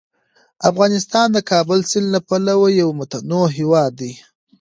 افغانستان د کابل سیند له پلوه یو متنوع هیواد دی.